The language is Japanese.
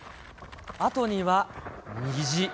あとには虹。